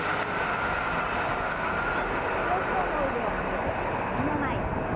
両方の腕を曲げて胸の前に。